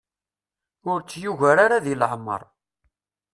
Ur tt-yugar ara di leɛmer.